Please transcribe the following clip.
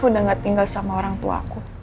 udah gak tinggal sama orangtuaku